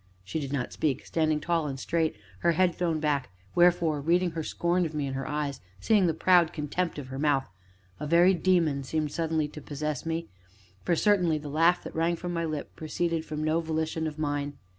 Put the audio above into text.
She did not speak, standing tall and straight, her head thrown back; wherefore, reading her scorn of me in her eyes, seeing the proud contempt of her mouth, a very demon seemed suddenly to possess me, for certainly the laugh that rang from my lip, proceeded from no volition of mine.